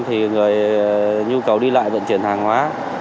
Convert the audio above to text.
thì nhu cầu đi lại vận chuyển hàng hóa